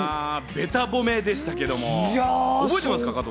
ベタ褒めでしたけど、覚えてますか？